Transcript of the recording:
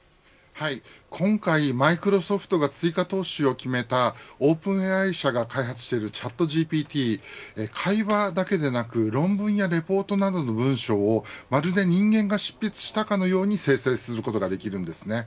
今回マイクロソフトが追加投資を決めたオープンＡＩ社が開発しているチャットＧＰＴ会話だけでなく論文やレポートなどの文書をまるで人間が執筆したかのように生成することができるんですね。